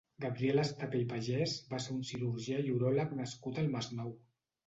Gabriel Estapé i Pagès va ser un cirurgià i uròleg nascut al Masnou.